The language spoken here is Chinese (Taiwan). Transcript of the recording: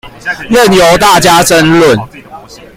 任由大家爭論